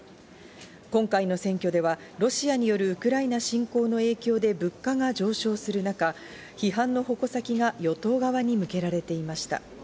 今回の選挙ではロシアによるウクライナ侵攻の影響で物価が上昇する中、批判の矛先が与党側に向けられていました。